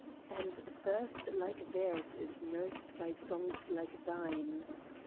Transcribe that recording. And thirst like theirs is nursed by songs like thine.